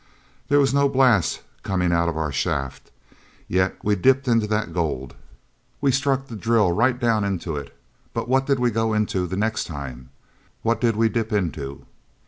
There was no blast coming out of our shaft. Yet we dipped into that gold; we stuck the drill right down into it. But what did we go into the next time? What did we dip into?"